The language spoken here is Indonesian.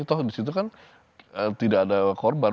toh di situ kan tidak ada korban